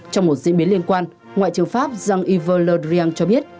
trong một diễn biến liên quan ngoại trưởng pháp jean yves le drian cho biết